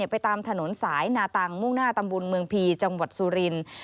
ไปตามถนนสายนาตังมุ่งหน้าตำบลเมืองพีจังหวัดสุรินทร์